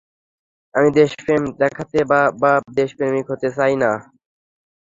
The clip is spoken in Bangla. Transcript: আমি দেশপ্রেম দেখাতে বা — বা দেশপ্রেমিক হতে চাই না।